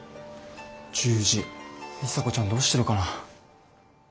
１０時里紗子ちゃんどうしてるかな？